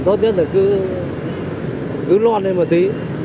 tốt nhất là cứ loan lên một tí